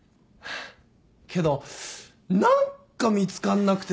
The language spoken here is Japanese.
けど何か見つかんなくてさ。